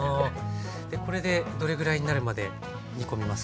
これでどれぐらいになるまで煮込みますか？